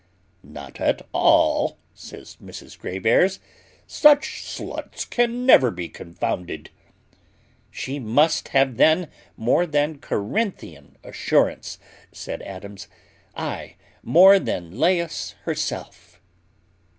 "Not at all," says Mrs Grave airs; "such sluts can never be confounded." "She must have then more than Corinthian assurance," said Adams; "aye, more than Lais herself."